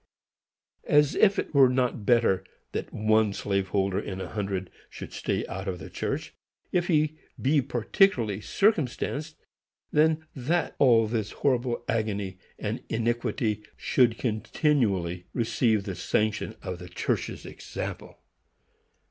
As if it were not better that one slave holder in a hundred should stay out of the church, if he be peculiarly circumstanced, than that all this horrible agony and iniquity should continually receive the sanction of the church's example!